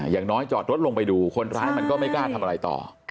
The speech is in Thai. อย่างน้อยจอดรถลงไปดูคนร้ายมันก็ไม่กล้าทำอะไรต่อ